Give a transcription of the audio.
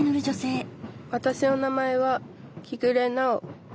わたしの名前は木暮奈央。